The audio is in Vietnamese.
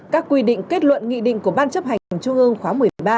các quy định kết luận nghị định của ban chấp hành trung ương khóa một mươi ba